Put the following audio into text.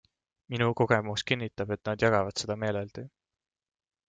Minu kogemus kinnitab, et nad jagavad seda meeleldi.